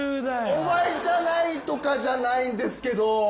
お前じゃないとかじゃないんですけど。